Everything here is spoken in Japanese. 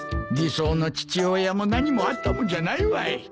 理想の父親も何もあったもんじゃないわい。